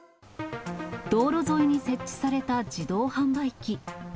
道路沿いに設置された自動販売機。